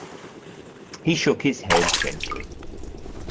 He shook his head gently.